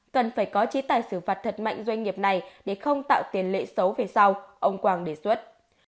cần phải có chế tài xử phạt thật mạnh doanh nghiệp này để không tạo tiền lệ xấu về sau ông quảng đề xuất